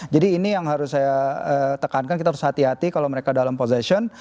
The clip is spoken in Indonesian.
ini yang harus saya tekankan kita harus hati hati kalau mereka dalam position